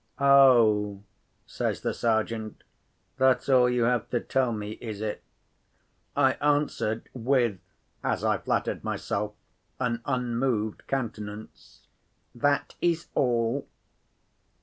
"Oh," says the Sergeant, "that's all you have to tell me, is it?" I answered, with (as I flattered myself) an unmoved countenance, "That is all."